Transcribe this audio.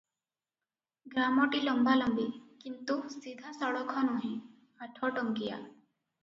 ଗ୍ରାମଟି ଲମ୍ବାଲମ୍ବି; କିନ୍ତୁ ସିଧାସଳଖ ନୁହେଁ; ଆଠଟଙ୍କିଆ ।